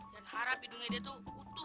harap hidungnya dia tuh utuh